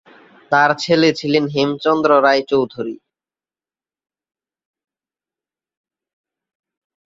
তার ছেলে ছিলেন হেমচন্দ্র রায় চৌধুরী।